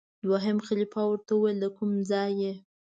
دویم خلیفه ورته وویل دکوم ځای یې؟